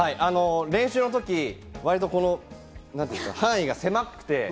練習の時、範囲が狭くて。